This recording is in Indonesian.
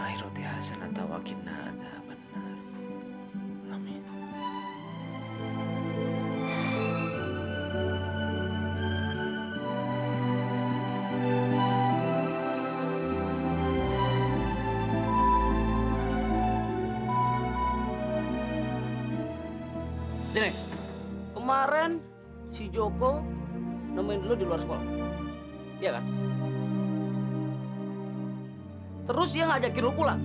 iya apa enggak